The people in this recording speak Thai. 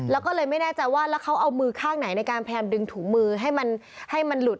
แล้วก็เลยไม่แน่ใจว่าแล้วเขาเอามือข้างไหนในการพยายามดึงถุงมือให้มันให้มันหลุด